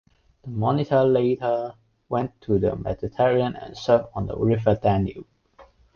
The monitor later went to the Mediterranean and served on the River Danube.